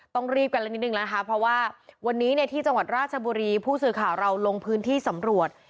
ต้องรีบกันเลยนิดนึงนะคะเพราะว่าวันนี้เนี่ยที่จังหวัดราชบุรีผู้สื่อข่าวเราลงพื้นที่สำรวจ